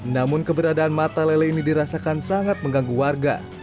namun keberadaan mata lele ini dirasakan sangat mengganggu warga